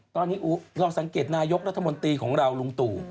ตอนนี้เราสังเกตนายกรัฐมนตรีของเราลุงตู่